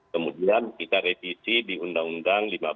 kemudian kita revisi di undang undang